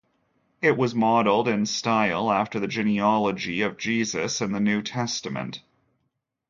It was modelled in style after the genealogy of Jesus in the New Testament.